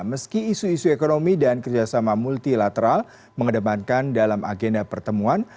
meski isu isu ekonomi dan kerjasama multilateral mengedepankan dalam agenda pertemuan